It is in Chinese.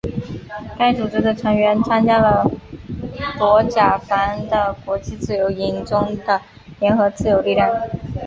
该组织的成员参加了罗贾瓦的国际自由营中的联合自由力量。